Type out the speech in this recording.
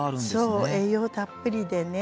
そう栄養たっぷりでね。